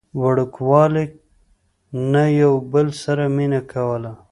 د وړوکوالي نه يو بل سره مينه کوله